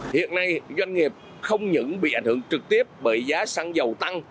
hiện nay doanh nghiệp không những bị ảnh hưởng trực tiếp bởi giá xăng dầu tăng